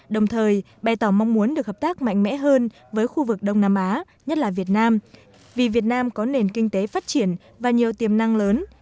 đồng thời bày tỏ mong muốn được hợp tác mạnh mẽ hơn với khu vực đông nam á nhất là việt nam vì việt nam có nền kinh tế phát triển và nhiều tiềm năng lớn